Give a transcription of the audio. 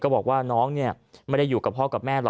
บอกว่าน้องเนี่ยไม่ได้อยู่กับพ่อกับแม่หรอก